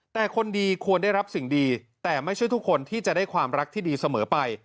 แต่คนดีควรได้รับสิ่งดีแต่ไม่ใช่ทุกคนที่จะได้ความรักที่ดีเสมอไป